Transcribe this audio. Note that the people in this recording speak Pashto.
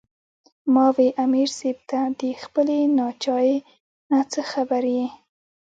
" ـ ما وې " امیر صېب تۀ د خپلې باچائۍ نه څۀ خبر ئې